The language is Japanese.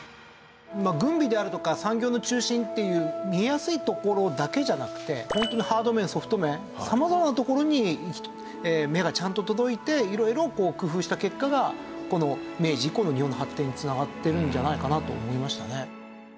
軍備であるとか産業の中心っていう見やすいところだけじゃなくてホントにハード面ソフト面様々なところに目がちゃんと届いて色々工夫した結果がこの明治以降の日本の発展に繋がってるんじゃないかなと思いましたね。